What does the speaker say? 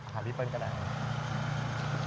หาลิเฟิร์นก็ได้